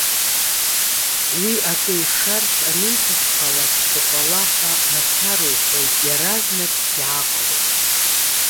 Уи, акы ишарц аниҭаххалак уҟала! ҳәа мацара иҳәоит. Иаразнак иааҟалоит.